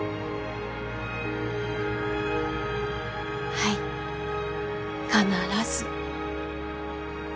はい必ず。